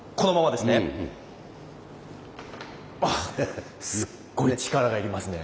あすっごい力が要りますね。